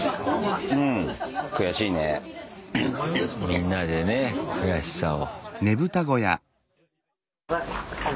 みんなでね悔しさを。